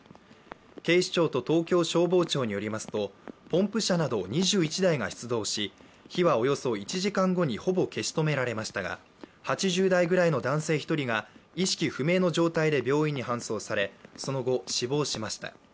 警視庁と東京消防庁によりますとポンプ車など２１台が出動し火はおよそ１時間後にほぼ消し止められましたが、８０代ぐらいの男性１人が意識不明の状態で病院に搬送されその後、死亡しました。